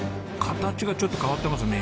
形がちょっと変わってますね。